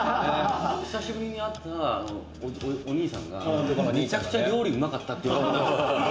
久しぶりに会ったお兄さんがめちゃくちゃ料理うまかったみたいな。